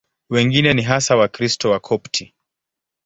Wengine ni hasa Wakristo Wakopti.